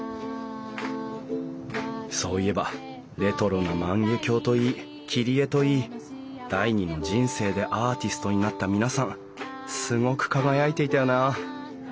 そういえばレトロな万華鏡といい切り絵といい第２の人生でアーティストになった皆さんすごく輝いていたよな。